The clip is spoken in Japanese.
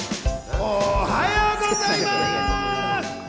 おはようございます！